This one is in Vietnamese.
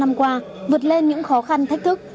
năm năm qua vượt lên những khó khăn thách thức